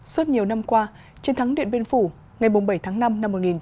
suốt nhiều năm qua chiến thắng điện biên phủ ngày bảy tháng năm năm một nghìn chín trăm bảy mươi